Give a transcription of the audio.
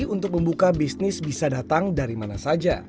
untuk membuka bisnis bisa datang dari mana saja